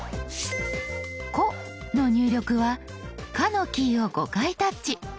「こ」の入力は「か」のキーを５回タッチ。